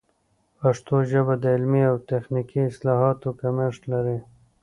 پښتو ژبه د علمي او تخنیکي اصطلاحاتو کمښت لري.